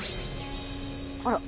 あら。